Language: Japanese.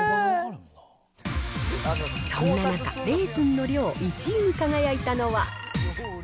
そんな中、レーズンの量１位に輝いたのは。